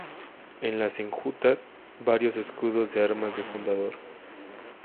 En las enjutas, varios escudos de armas de fundador.